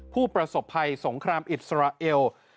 ผู้ประสบภัยสงครามอิสราเอล